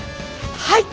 はい！